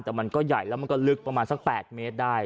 แต่มันก็ใหญ่แล้วมันก็ลึกประมาณสัก๘เมตรได้